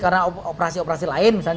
karena operasi operasi lain misalnya